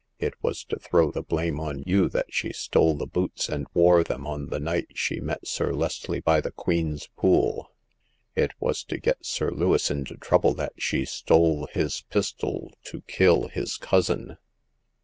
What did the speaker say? It was to throw the blame on you that she stole the boots and wore them on the night she met Sir Leslie by the Queen's Pool. It was to get Sir Lewis into trouble that she stole his pistol to kill his cousin."